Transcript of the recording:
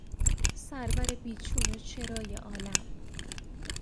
سرور بیچون و چرای عالم